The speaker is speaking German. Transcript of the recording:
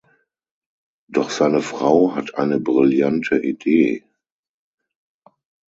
Doch seine Frau hat eine brillante Idee.